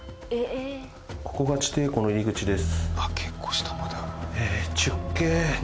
ここが地底湖の入り口です。